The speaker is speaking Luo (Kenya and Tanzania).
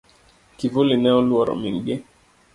Kivuli ne oluoro min gi.